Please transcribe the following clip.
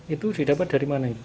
itu didapat dari mana